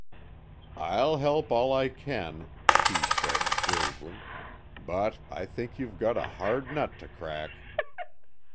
"I'll help all I can," Kee said, gravely. "But I think you've got a hard nut to crack."